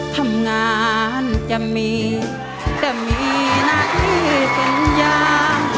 ทำงานจะมีแต่มีหน้าที่สัญญา